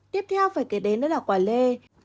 tiếp theo phải kể đến đó là quả lê